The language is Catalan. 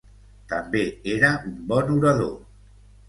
També era un bon orador.